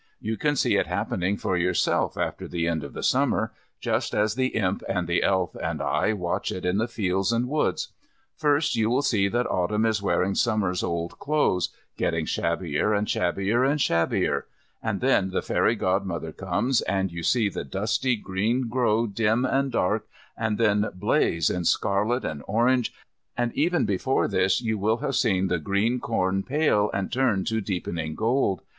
You can see it happening for yourself after the end of the Summer, just as the Imp and the Elf and I watch it in the fields and woods. First you will see that Autumn is wearing Summer's old clothes, getting shabbier and shabbier and shabbier, and then the fairy Godmother comes, and you see the dusty green grow dim and dark, and then blaze in scarlet and orange, and even before this you will have seen the green corn pale and turn to deepening gold.